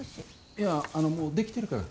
いやあの、もう出来てるから。